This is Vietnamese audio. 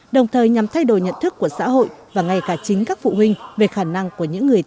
đồng thời nhằm thay đổi nhận thức của xã hội và ngay cả chính các phụ huynh về khả năng của những người